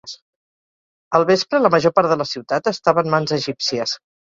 Al vespre, la major part de la ciutat estava en mans egípcies.